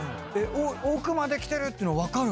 奥まで来てるっていうの分かる？